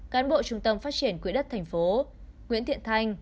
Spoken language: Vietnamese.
cán bộ trung tâm phát triển quỹ đất tp long xuyên nguyễn thiện thành